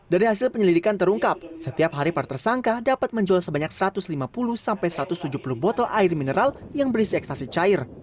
dari hasil penyelidikan terungkap setiap hari para tersangka dapat menjual sebanyak satu ratus lima puluh sampai satu ratus tujuh puluh botol air mineral yang berisi ekstasi cair